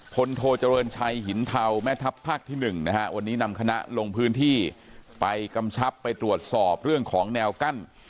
โทเจริญชัยหินเทาแม่ทัพภาคที่๑นะฮะวันนี้นำคณะลงพื้นที่ไปกำชับไปตรวจสอบเรื่องของแนวกั้น